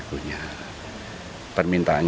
kita harus berusaha untuk memperbaiki rumah ini